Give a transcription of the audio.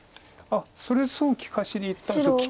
あっそれすぐ利かしにいったんですが。